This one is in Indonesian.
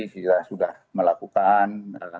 kita sudah melakukan